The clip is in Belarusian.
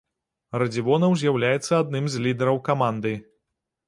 Радзівонаў з'яўляецца адным з лідараў каманды.